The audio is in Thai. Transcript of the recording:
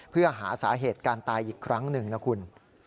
เพื่อหาสาเหตุการตายอีกครั้งหนึ่งนะคุณ